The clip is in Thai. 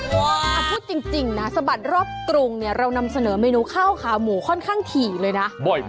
เอาพูดจริงนะสะบัดรอบกรุงเนี่ยเรานำเสนอเมนูข้าวขาหมูค่อนข้างถี่เลยนะ